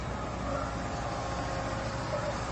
خلګو د خپل راتلونکي لپاره پيسې ساتلې.